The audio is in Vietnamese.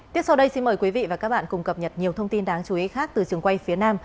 tiếp sau đây xin mời quý vị và các bạn cùng cập nhật nhiều thông tin đáng chú ý khác từ trường quay phía nam